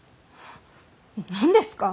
何ですか。